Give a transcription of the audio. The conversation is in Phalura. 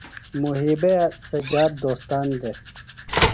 محیبے سجاد دوستان دےۡ۔